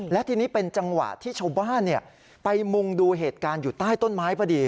และทีนี้เป็นจังหวะที่ชาวบ้านไปมุงดูเหตุการณ์อยู่ใต้ต้นไม้พอดี